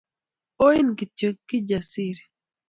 Oin kityoKijasiri